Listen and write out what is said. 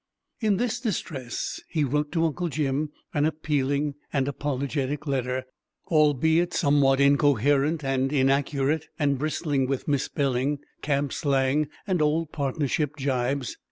In this distress he wrote to Uncle Jim an appealing and apologetic letter, albeit somewhat incoherent and inaccurate, and bristling with misspelling, camp slang, and old partnership jibes.